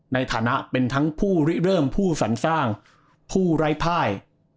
ในฐานะเป็นทั้งผู้ริเริ่มผู้สรรสร้างผู้ไร้ภาย